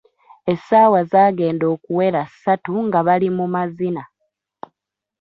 Essaawa zaagenda okuwera ssatu nga bali mu mazina.